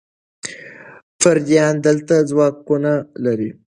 پردیان دلته ځواکونه لري.